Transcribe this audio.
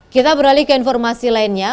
kita beralih ke informasi lainnya